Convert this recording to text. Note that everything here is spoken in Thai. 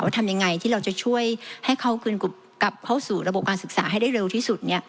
ทำยังไงที่เราจะช่วยให้เขากลับเข้าสู่ระบบการศึกษาให้ได้เร็วที่สุด